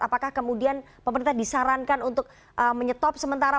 apakah kemudian pemerintah disarankan untuk menyetop sementara